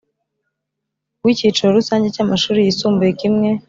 W icyiciro rusange cy amashuri yisumbuye kimwe